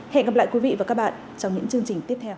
hẹn gặp lại quý vị và các bạn trong những chương trình tiếp theo